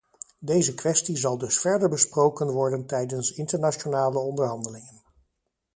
Deze kwestie zal dus verder besproken worden tijdens internationale onderhandelingen.